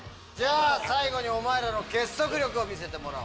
最後にお前らの結束力を見せてもらおう。